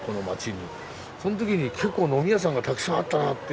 その時に結構呑み屋さんがたくさんあったなっていう。